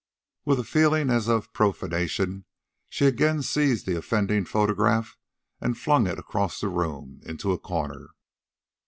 With a feeling as of profanation she again seized the offending photograph and flung it across the room into a corner.